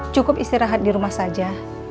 cukup istirahat di rumah saja